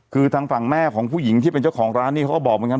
คือทางฝั่งแม่ของผู้หญิงที่เป็นเจ้าของร้านนี่เขาก็บอกเหมือนกัน